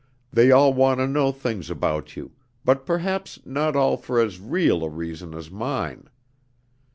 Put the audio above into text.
They all want to know things about you, but perhaps not all for as real a reason as mine.